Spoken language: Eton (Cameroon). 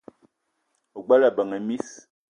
O gbele ebeng e miss :